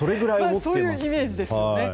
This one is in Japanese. そういうイメージですよね。